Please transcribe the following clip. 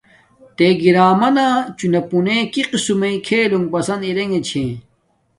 تے گی رامنا چونا پونے کی قسم میݵ کیھلونݣ پسبد ارنگے چھے